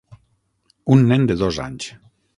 Un nen de dos anys.